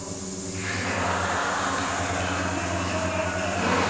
なんか複雑な事情があるんだな。